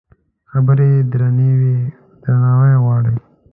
خبرې درناوی غواړي.